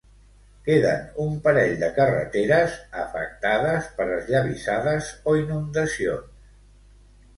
Queden un parell de carreteres afectades per esllavissades o inundacions.